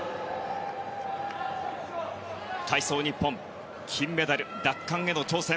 体操日本金メダル奪還への挑戦。